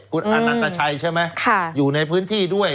คุณอนันตชัยใช่ไหมอยู่ในพื้นที่ด้วย